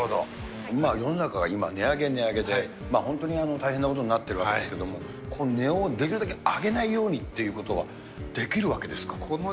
世の中が今、値上げ、値上げで大変なことになっていますけれども、値をできるだけ上げないようにっていうことはできるわけですか。